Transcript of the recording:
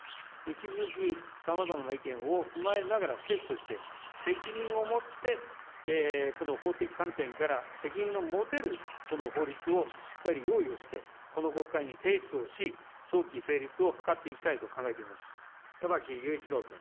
引き続きさまざまな意見を踏まえながら、政府として、責任を持ってこの法的観点から責任の持てるこの法律をしっかり用意をして、この国会に提出をし、早期成立を図っていきたいと考え玉木雄一郎君。